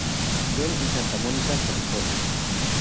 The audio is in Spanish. John en Santa Mónica, California.